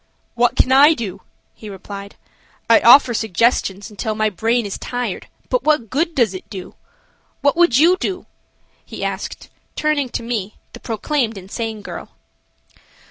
"What can I do?" he replied. "I offer suggestions until my brain is tired, but what good does it do? What would you do?" he asked, turning to me, the proclaimed insane girl.